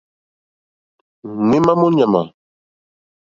Mǒémá mó ɲàmà.